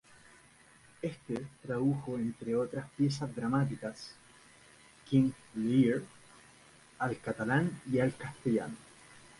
Este tradujo, entre otras piezas dramáticas, "King Lear" al catalán y al castellano.